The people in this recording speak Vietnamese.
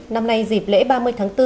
năm nay dịp lễ ba mươi tháng bốn